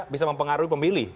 bisa mempengaruhi pemilih